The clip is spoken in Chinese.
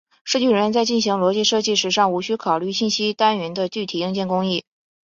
设计人员在进行逻辑设计时尚无需考虑信息单元的具体硬件工艺。